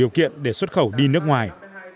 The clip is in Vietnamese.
điều kiện để xuất khẩu đi nước ngoài